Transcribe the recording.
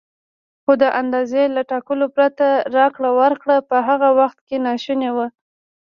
خو د اندازې له ټاکلو پرته راکړه ورکړه په هغه وخت کې ناشونې وه.